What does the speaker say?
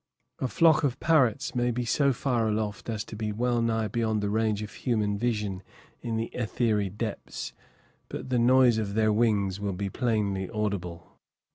A flock of parrots may be so far aloft as to be well nigh beyond the range of human vision in the ethery depths, but the noise of their wings will be plainly audible.